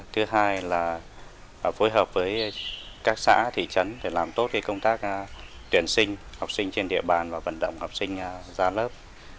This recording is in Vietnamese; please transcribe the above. thứ hai là phối hợp với các xã thị trấn để làm tốt công tác tuyển sinh học trên địa bàn và vận động học sinh ra lớp